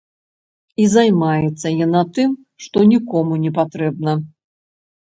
І займаецца яна тым, што нікому не патрэбна.